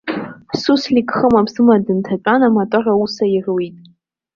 Суслик хыма-ԥсыма дынҭатәан, аматор аус аируит.